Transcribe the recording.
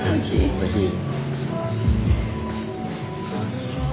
おいしい。